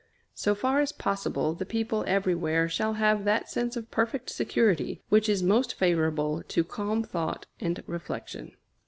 So far as possible, the people everywhere shall have that sense of perfect security which is most favorable to calm thought and reflection.